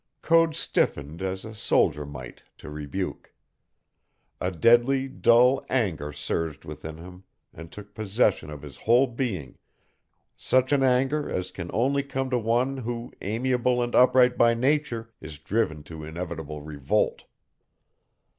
Code stiffened as a soldier might to rebuke. A deadly, dull anger surged within him and took possession of his whole being such an anger as can only come to one who, amiable and upright by nature, is driven to inevitable revolt.